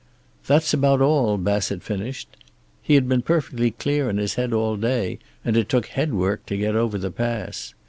"That's about all," Bassett finished. "He had been perfectly clear in his head all day, and it took headwork to get over the pass.